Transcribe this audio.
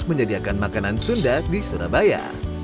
menyediakan makanan sunda di surabaya